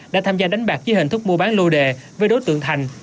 đã tham gia đánh bạc dưới hình thức mua bán lô đề với đối tượng thành